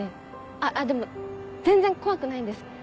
あっでも全然怖くないんです。